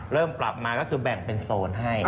เริ่มปรับมาก็คือแบ่งเป็นโซนให้